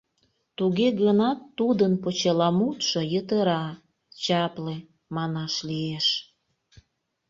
Туге гынат тудын почеламутшо йытыра, чапле, манаш лиеш.